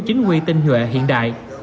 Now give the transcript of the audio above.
chính quy tinh nhuệ hiện đại